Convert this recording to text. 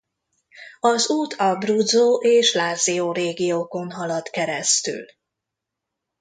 Az út Abruzzo és Lazio régiókon halad keresztül.